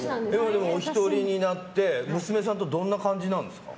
お一人になって娘さんとどんな感じなんですか。